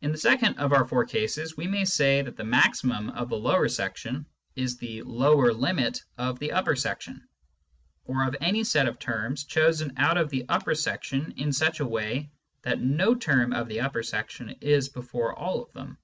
In the second of our four cases, we say that the maximum of the lower section is the lower limit of the upper section, or of any set of terms chosen out of the upper section in such a way that no term of the upper section is before all of them.